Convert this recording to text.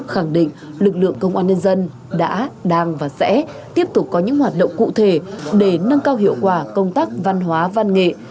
khẳng định lực lượng công an nhân dân đã đang và sẽ tiếp tục có những hoạt động cụ thể để nâng cao hiệu quả công tác văn hóa văn nghệ